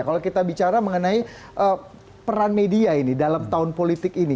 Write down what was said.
kalau kita bicara mengenai peran media ini dalam tahun politik ini